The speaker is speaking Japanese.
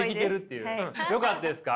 よかったですか？